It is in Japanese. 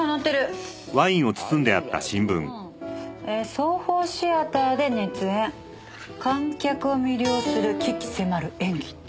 「ソーホー・シアターで熱演」「観客を魅了する鬼気迫る演技」って。